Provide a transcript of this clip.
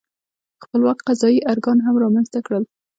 خپلواک قضايي ارګان هم رامنځته کړل.